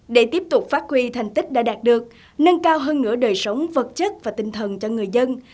để tiếp tục phát huy thành tích đã đạt được nâng cao hơn nữa đời sống vật chất và tinh thần cho người dân